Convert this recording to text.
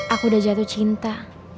aku udah jatuh cinta